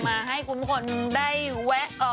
มาให้กุศลคนได้แวะ